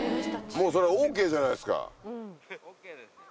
もうそれはＯＫじゃないですか。